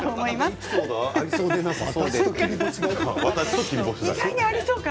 エピソードがありそうで、なさそうで。